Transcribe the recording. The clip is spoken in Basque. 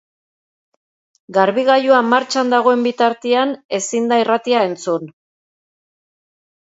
Garbigailua martxan dagoen bitartean ezin da irratia entzun.